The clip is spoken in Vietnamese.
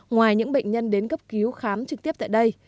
ngoài những bệnh nhân đến cấp cứu khám trực tiếp tại đây